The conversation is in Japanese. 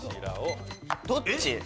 どっち？